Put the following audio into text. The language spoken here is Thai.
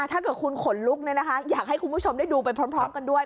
ถ้าเกิดคุณขนลุกอยากให้คุณผู้ชมได้ดูไปพร้อมกันด้วย